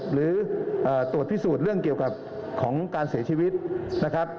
หรือตรวจพิสูจน์เรื่องเกี่ยวกับของการเสียชีวิตนะครับ